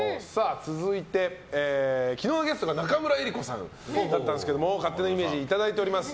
続いて、昨日のゲストが中村江里子さんだったんですが勝手なイメージいただいております。